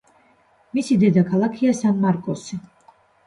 მისი დედაქალაქია სან-მარკოსი.